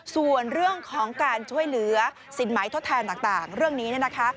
ส่วนเรื่องของการช่วยเหลือสินไหมทดแทนต่างเรื่องนี้เนี่ยนะคะ